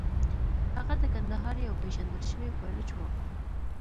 هغه د کندهار یو پېژندل شوی پایلوچ و.